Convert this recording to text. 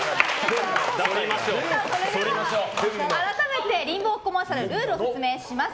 それでは改めて、リンボーコマーシャルルールを説明します。